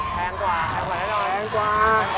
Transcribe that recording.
แพงกว่าแพงกว่า